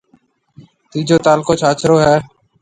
تيجو تعلقو ڇاڇرو ھيََََ